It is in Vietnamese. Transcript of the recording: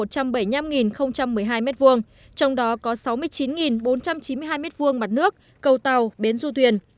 trong đó có sáu mươi chín bốn trăm chín mươi hai m hai mặt nước cầu tàu bến du thuyền